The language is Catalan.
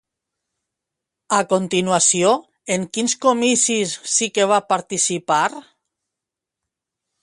A continuació, en quins comicis sí que va participar?